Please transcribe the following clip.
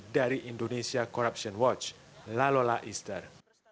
dari indonesia corruption watch lalola easter